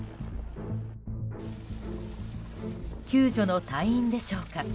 救助の隊員でしょうか。